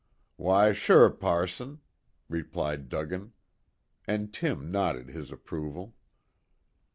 "Why sure, passon," replied Duggan. And Tim nodded his approval.